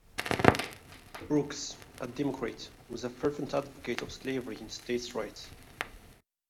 Brooks, a Democrat, was a fervent advocate of slavery and states' rights.